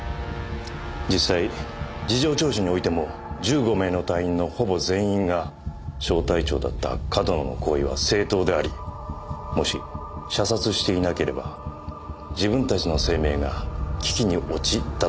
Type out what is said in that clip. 実際事情聴取においても１５名の隊員のほぼ全員が小隊長だった上遠野の行為は正当でありもし射殺していなければ自分たちの生命が危機に陥ったと供述しました。